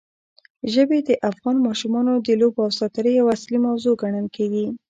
ژبې د افغان ماشومانو د لوبو او ساتېرۍ یوه اصلي موضوع ګڼل کېږي.